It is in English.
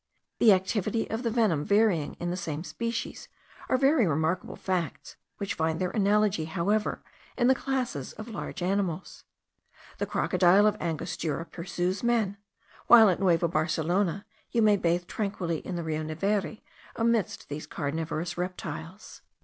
the activity of the venom varying in the same species, are very remarkable facts; which find their analogy, however, in the classes of large animals. The crocodile of Angostura pursues men, while at Nueva Barcelona you may bathe tranquilly in the Rio Neveri amidst these carnivorous reptiles.